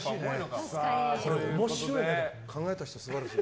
これ面白いね考えた人素晴らしい。